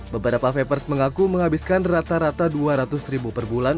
beberapa vapers mengaku menghabiskan rata rata dua ratus ribu per bulan